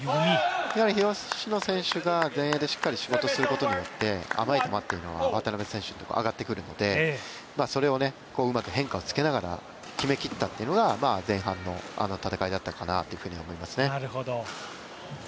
やはり、東野選手が前衛でしっかり仕事することによって甘い球というのは渡辺選手のところ上がってくるのでそれを、うまく変化をつけながら決めきったというのが前半の戦いだったかなというふうに思いますね。